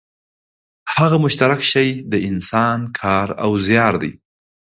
هغه مشترک شی د انسان کار او زیار دی